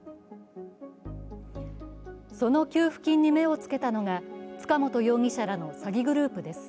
その給付金に目を付けたのが塚本容疑者らの詐欺グループです。